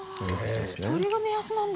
それが目安なんだ。